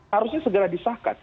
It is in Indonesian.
harusnya segera disahkan